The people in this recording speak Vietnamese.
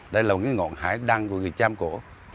đây là một cái ngọn hải đăng của người trăm cổ